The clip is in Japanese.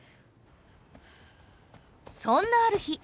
そんなある日